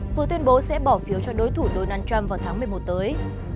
vừa tuyên bố sẽ bỏ phiếu cho đối thủ donald trump vào tháng một mươi một tới